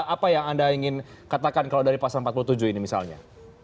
apa yang anda ingin katakan kalau dari pasal empat puluh tujuh ini misalnya